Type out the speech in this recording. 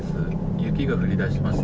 雪が降りだしました。